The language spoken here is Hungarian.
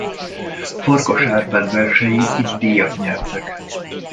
Farkas Árpád versei itt díjat nyertek.